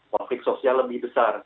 konflik sosial lebih besar